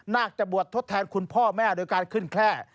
จะบวชทดแทนคุณพ่อแม่โดยการขึ้นแคล่